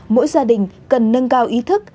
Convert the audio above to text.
mỗi gia đình cần nâng cao ý thức